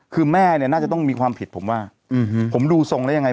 คือแม่เนี่ยน่าจะต้องมีความผิดผมว่าผมดูทรงแล้วยังไง